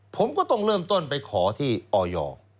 ผมก็ต้องเริ่มต้นไปขอที่ออย